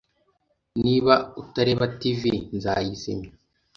Niba utareba TV, nzayizimya.